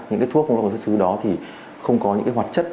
những thuốc không rõ nguồn gốc xuất xứ đó thì không có những hoạt chất